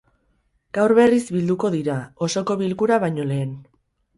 Gaur, berriz bilduko dira, osoko bilkura baino lehen.